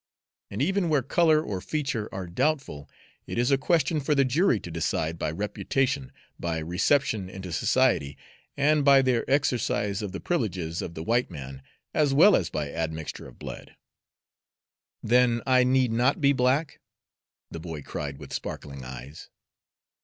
And even where color or feature are doubtful, it is a question for the jury to decide by reputation, by reception into society, and by their exercise of the privileges of the white man, as well as by admixture of blood.'" "Then I need not be black?" the boy cried, with sparkling eyes.